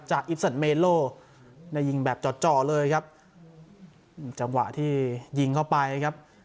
จากในยิงแบบจอดจอเลยครับจังหวะที่ยิงเข้าไปครับ